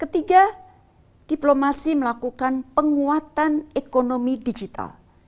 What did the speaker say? ketiga diplomasi melakukan penguatan ekonomi digital